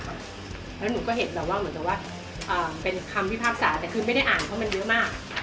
แล้วหนูก็เห็นแบบว่าเหมือนกับว่าเป็นคำพิพากษาแต่คือไม่ได้อ่านเพราะมันเยอะมาก